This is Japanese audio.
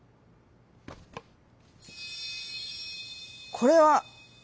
「これは」。